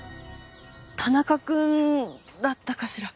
田中くんだったかしら？